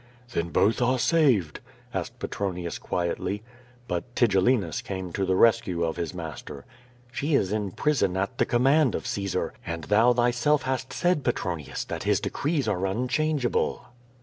"Then both are saved?" asked Petronius quietly. I>ut Tigellinus came to the rescue of his master. "She is in prison at the command of Caesar, and thou thyself hast said, Petronius, that his decrees are unchange able."